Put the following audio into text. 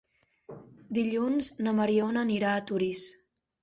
Dilluns na Mariona anirà a Torís.